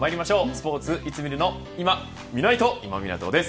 スポーツ、いつ見るの今見ないと、今湊です。